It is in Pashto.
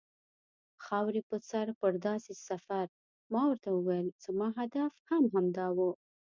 خاورې په سر پر داسې سفر، ما ورته وویل: زما هدف هم همدا و.